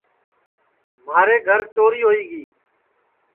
مھارے گھر چوری ہوئی گی